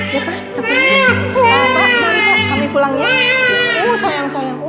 ya pak kita pulang ya